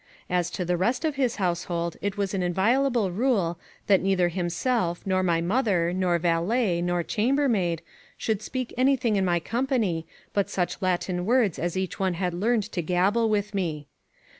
As to the rest of his household, it was an inviolable rule, that neither himself, nor my mother, nor valet, nor chambermaid, should speak anything in my company, but such Latin words as each one had learned to gabble with me.